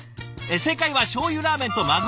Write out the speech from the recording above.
正解はしょうゆラーメンとまぐろ丼。